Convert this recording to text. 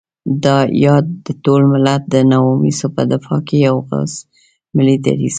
يا د ټول ملت د نواميسو په دفاع کې يو غوڅ ملي دريځ.